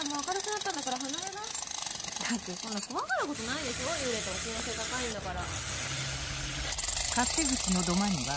ったくそんな怖がることないでしょ幽霊とは親和性高いんだから。